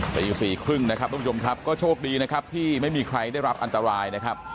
ตี๔๓๐นะครับทุกผู้ชมครับก็โชคดีนะครับที่ไม่มีใครได้รับอันตรายนะครับ